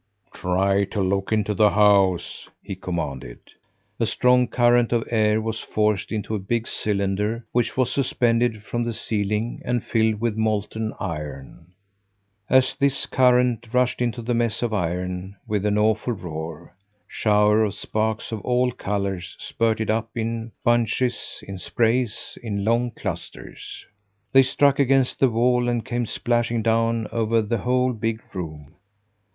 "Try to look into the house!" he commanded. A strong current of air was forced into a big cylinder which was suspended from the ceiling and filled with molten iron. As this current rushed into the mess of iron with an awful roar, showers of sparks of all colours spurted up in bunches, in sprays, in long clusters! They struck against the wall and came splashing down over the whole big room.